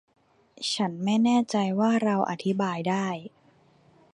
ฉันไม่แน่ใจว่าเราอธิบายได้